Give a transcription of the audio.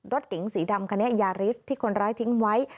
รถเก๋งสีดำคันนี้ยาริสที่คนร้ายทิ้งไว้